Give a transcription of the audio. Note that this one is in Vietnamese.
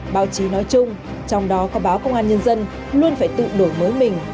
báo chí nói chung trong đó có báo công an nhân dân luôn phải tự đổi mới mình